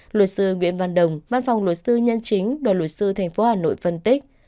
luật sư nguyễn văn đồng văn phòng luật sư nhân chính đoàn luật sư tp hà nội phân tích